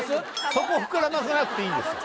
そこ膨らませなくていいんですよ